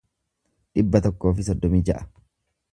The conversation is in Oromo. dhibba tokkoo fi soddomii ja'a